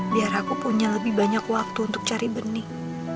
biar aku punya lebih banyak waktu untuk cari benih